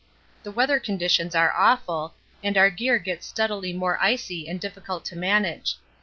The weather conditions are awful, and our gear gets steadily more icy and difficult to manage.